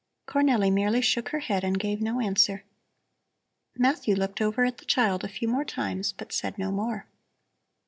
Cornelli merely shook her head and gave no answer. Matthew looked over at the child a few more times, but said no more.